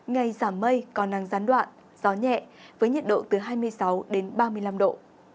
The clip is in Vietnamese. ngày giảm mây còn nắng gián đoạn gió nhẹ với nhiệt độ từ hai mươi sáu ba mươi năm độ